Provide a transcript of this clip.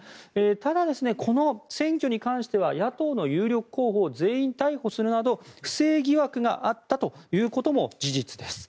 ただ、この選挙に関しては野党の有力候補を全員逮捕するなど不正疑惑があったということも事実です。